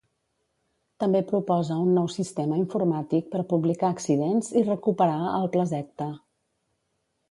També proposa un nou sistema informàtic per publicar accidents i recuperar el Plaseqta.